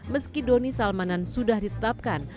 meski doni salmanan sudah ditetapkan